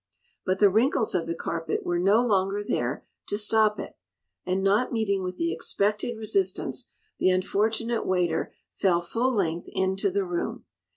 But the wrinkles of the carpet were no longer there to stop it, and not meeting with the expected resistance, the unfortunate waiter fell full length into the room.